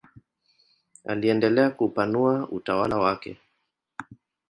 Aliendelea kupanua utawala wake.